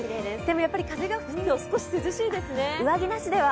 でも風が吹くと少し涼しいですね。